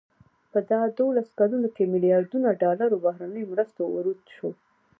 په دا دولسو کلونو کې ملیاردونو ډالرو بهرنیو مرستو ورود شو.